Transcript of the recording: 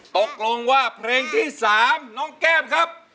ตกลงว่าเพลงที่๓น้องแก้มครับ